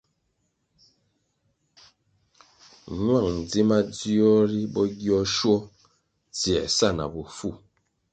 Ñwang dzi madzio ri bo gio nshuo tsiē sa na bofu.